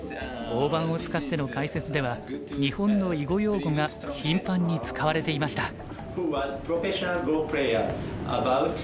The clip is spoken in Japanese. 大盤を使っての解説では日本の囲碁用語が頻繁に使われていました。